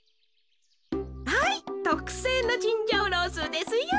はいとくせいのチンジャオロースーですよ。